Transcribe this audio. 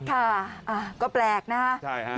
ค่ะก็แปลกนะครับ